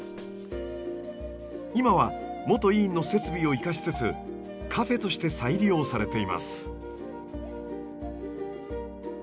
今は元医院の設備を生かしつつカフェとして再利用されています。